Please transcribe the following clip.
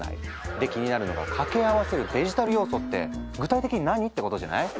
で気になるのが掛け合わせるデジタル要素って具体的に何ってことじゃない？